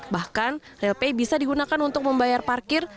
bahkan railpay bisa digunakan untuk membayar parkir